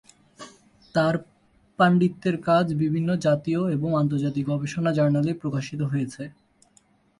তাঁর পণ্ডিতের কাজ বিভিন্ন জাতীয় এবং আন্তর্জাতিক গবেষণা জার্নালে প্রকাশিত হয়েছে।